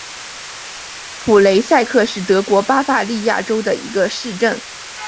普雷塞克是德国巴伐利亚州的一个市镇。